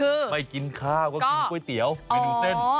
ไม่กินข้าวก็กินก๋วยเตี๋ยวเมนูเส้น